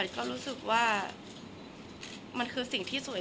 คนเราถ้าใช้ชีวิตมาจนถึงอายุขนาดนี้แล้วค่ะ